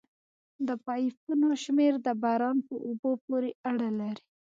د پایپونو شمېر د باران په اوبو پورې اړه لري